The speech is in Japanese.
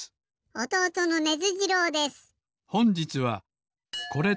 おとうとのネズ次郎です。